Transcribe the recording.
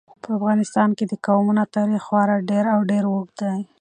په افغانستان کې د قومونه تاریخ خورا ډېر او ډېر اوږد دی.